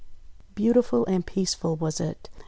Beautiful and peaceful was it.